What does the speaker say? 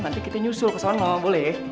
nanti kita nyusul ke sana boleh